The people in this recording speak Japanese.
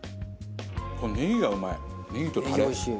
このネギがうまい！